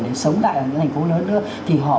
để sống lại ở những thành phố lớn nữa thì họ